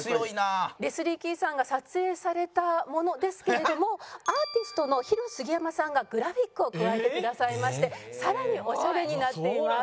レスリー・キーさんが撮影されたものですけれどもアーティストのヒロ杉山さんがグラフィックを加えてくださいましてさらにオシャレになっています。